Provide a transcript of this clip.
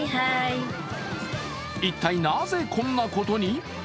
一体なぜこんなことに？